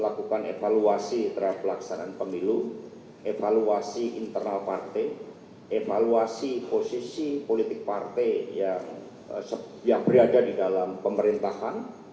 kita lakukan evaluasi terhadap pelaksanaan pemilu evaluasi internal partai evaluasi posisi politik partai yang berada di dalam pemerintahan